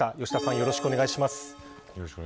よろしくお願いします。